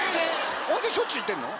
温泉しょっちゅう行ってんの？